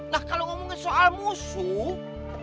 nah kalau ngomongin soal musuh